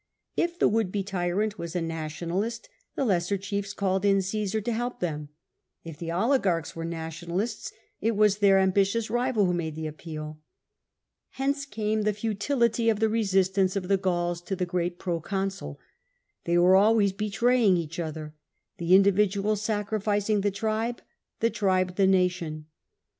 If the would be tyrant was a nationalist, the lesser chiefs called in Cmsar to help them — if the oligarchs were nationalists, it was their ambitious rival who made the appeal. Hence came the futility of the resistance of the Gauls to the great proconsul. They were always betraying each other, the individual sacrificing the tribe, the tribe the nation.